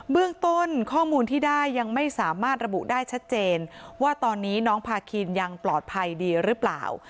เรื่องต้นข้อมูลที่ได้ยังไม่สามารถระบุได้ชัดเจนว่าตอนนี้น้องพาคินยังปลอดภัยดีหรือเปล่า